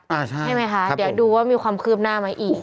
ใช่ไหมคะเดี๋ยวดูว่ามีความคืบหน้าไหมอีก